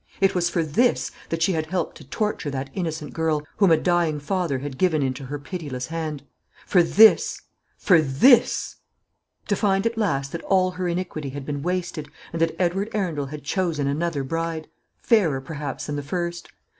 It was for this that she had helped to torture that innocent girl whom a dying father had given into her pitiless hand. For this! for this! To find at last that all her iniquity had been wasted, and that Edward Arundel had chosen another bride fairer, perhaps, than the first.